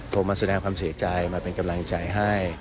มาแสดงความเสียใจมาเป็นกำลังใจให้